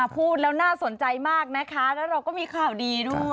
พูดแล้วน่าสนใจมากนะคะแล้วเราก็มีข่าวดีด้วย